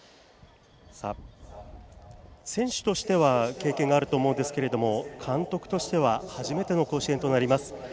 選手としては経験があると思うんですけれども監督としては初めての甲子園となります。